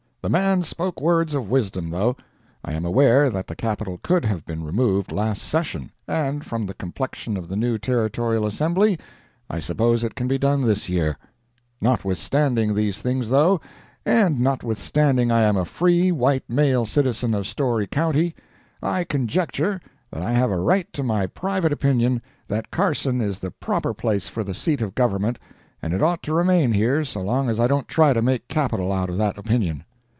The man spoke words of wisdom, though. I am aware that the capital could have been removed last session, and from the complexion of the new Territorial Assembly, I suppose it can be done this year. Notwithstanding these things though, and notwithstanding I am a free white male citizen of Storey county, I conjecture that I have a right to my private opinion that Carson is the proper place for the seat of Government and it ought to remain here so long as I don't try to make capital out of that opinion.